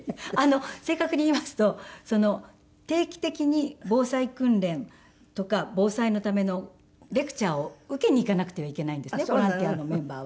正確に言いますと定期的に防災訓練とか防災のためのレクチャーを受けに行かなくてはいけないんですねボランティアのメンバーは。